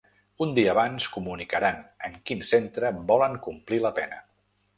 Un dia abans comunicaran en quin centre volen complir la pena.